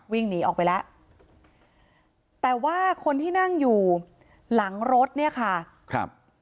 วิ่งหนีออกไปแล้วแต่ว่าคนที่นั่งอยู่หลังรถเนี่ยค่ะครับ